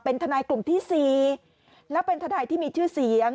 ทนายกลุ่มที่๔แล้วเป็นทนายที่มีชื่อเสียง